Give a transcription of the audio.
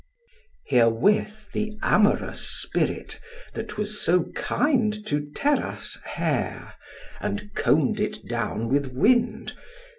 Herewith the amorous spirit, that was so kind To Teras' hair, and comb'd it down with wind.